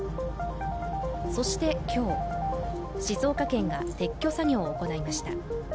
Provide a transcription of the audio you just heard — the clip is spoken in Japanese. そして今日、静岡県が撤去作業を行いました。